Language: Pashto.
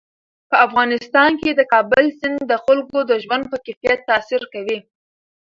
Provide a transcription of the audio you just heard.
په افغانستان کې د کابل سیند د خلکو د ژوند په کیفیت تاثیر کوي.